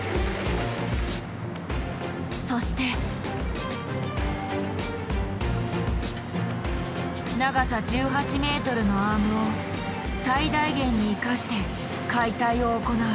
そして長さ１８ｍのアームを最大限に生かして解体を行う。